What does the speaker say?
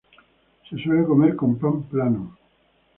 Se suele comer con pan plano.